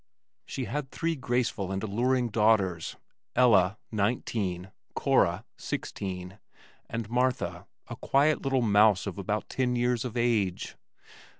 She had three graceful and alluring daughters, Ella, nineteen, Cora, sixteen, and Martha, a quiet little mouse of about ten years of age.